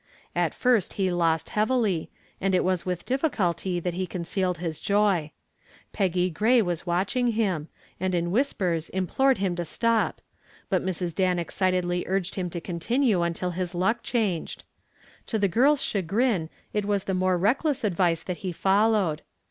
At first he lost heavily, and it was with difficulty that he concealed his joy. Peggy Gray was watching him, and in whispers implored him to stop, but Mrs. Dan excitedly urged him to continue until the luck changed. To the girl's chagrin it was the more reckless advice that he followed.